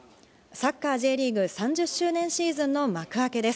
サッカーＪリーグ、３０周年シーズンの幕開けです。